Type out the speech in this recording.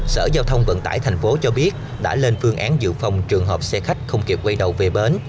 sở giao thông vận tải tp hcm cho biết đã lên phương án dự phòng trường hợp xe khách không kịp quay đầu về bến